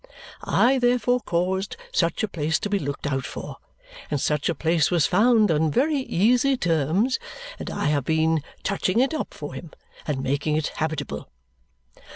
I therefore caused such a place to be looked out for, and such a place was found on very easy terms, and I have been touching it up for him and making it habitable.